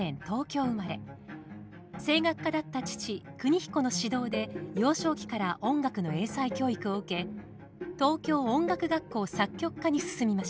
声楽家だった父國彦の指導で幼少期から音楽の英才教育を受け東京音楽学校作曲科に進みました。